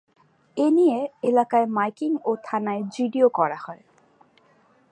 এ নিয়ে এলাকায় মাইকিং ও থানায় জিডিও করা হয়।